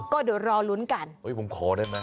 ก็เดี๋ยวรอลุ้นกันผมขอได้ไหม